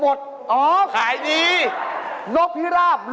มึงกลับไปซักไป